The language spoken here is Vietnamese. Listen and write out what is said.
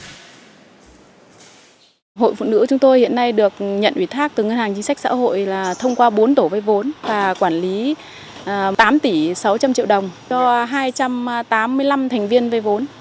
hội phụ nữ chúng tôi hiện nay được nhận ủy thác từ ngân hàng chính sách xã hội là thông qua bốn tổ vay vốn và quản lý tám tỷ sáu trăm linh triệu đồng cho hai trăm tám mươi năm thành viên vay vốn